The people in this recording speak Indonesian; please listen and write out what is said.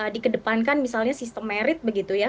dikedepankan misalnya sistem merit begitu ya